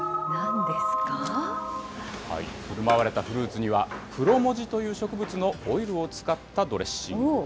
ふるまわれたフルーツには、クロモジという植物のオイルを使ったドレッシングが。